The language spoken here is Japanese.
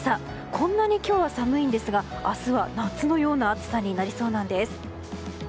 こんなに今日は寒いんですが明日は夏のような暑さになりそうなんです。